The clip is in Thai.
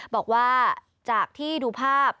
บอกว่าจากที่ดูภาพ